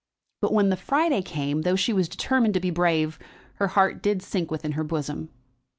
But when the Friday came, though she was determined to be brave, her heart did sink within her bosom.